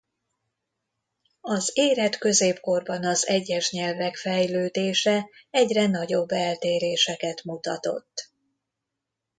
Az érett középkorban az egyes nyelvek fejlődése egyre nagyobb eltéréseket mutatott.